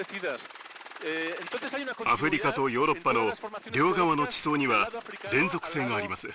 アフリカとヨーロッパの両側の地層には連続性があります。